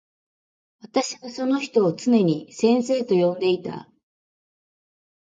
私はその人をつねに先生と呼んでいた。